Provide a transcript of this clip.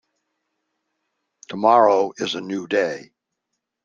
Tomorrow is a new day.